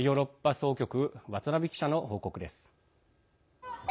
総局渡辺記者の報告です。